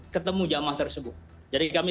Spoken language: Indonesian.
ketemu jamaah tersebut jadi kami